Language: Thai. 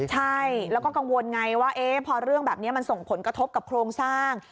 ใช่แล้วก็กังวลไงว่าพอเรื่องแบบนี้มันส่งผลกระทบกับโครงสร้าง